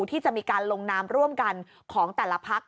ที่จะมีการลงนามร่วมกันของแต่ละพัก